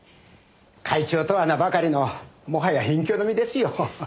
会長とは名ばかりのもはや隠居の身ですよ。